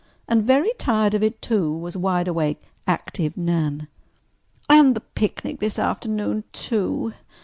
And very tired of it, too, was wide awake, active Nan. "And the picnic this afternoon, too!"